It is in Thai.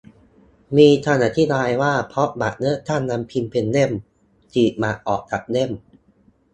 มีคำอธิบายว่าเพราะบัตรเลือกตั้งมันพิมพ์เป็นเล่ม ฉีกบัตรออกจากเล่ม